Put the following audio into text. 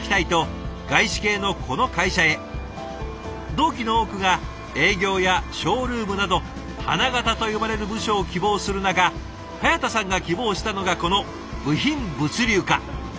同期の多くが営業やショールームなど花形と呼ばれる部署を希望する中早田さんが希望したのがこの部品物流課。